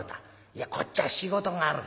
いやこっちは仕事があるから断った。